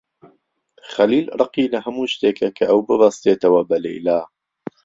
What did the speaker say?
خەلیل ڕقی لە هەموو شتێکە کە ئەو ببەستێتەوە بە لەیلا.